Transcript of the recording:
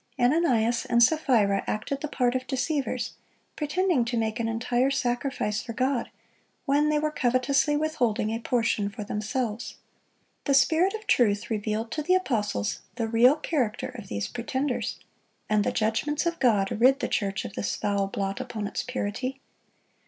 Ananias and Sapphira acted the part of deceivers, pretending to make an entire sacrifice for God, when they were covetously withholding a portion for themselves. The Spirit of truth revealed to the apostles the real character of these pretenders, and the judgments of God rid the church of this foul blot upon its purity.